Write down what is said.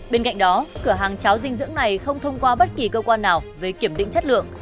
bên cạnh đó cửa hàng cháo dinh dưỡng này không thông qua bất kỳ cơ quan nào về kiểm định chất lượng